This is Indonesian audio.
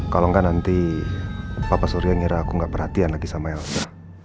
kalau nggak nanti papa surya ngira aku nggak perhatian lagi sama elsa